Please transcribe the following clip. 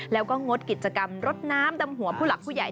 แล้วก็งดกิจกรรมรดน้ำดำหัวผู้หลักผู้ใหญ่